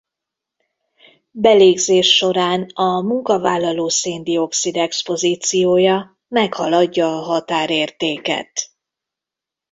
Belégzés során a munkavállaló szén-dioxid-expozíciója meghaladja a határértéket.